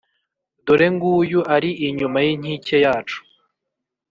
Dore nguyu ari inyuma y’inkike yacu,